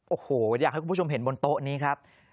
โอ้โหอยากให้คุณผู้ชมเห็นบนโต๊ะนี้ครับ